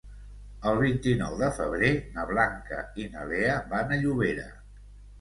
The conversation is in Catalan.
El vint-i-nou de febrer na Blanca i na Lea van a Llobera.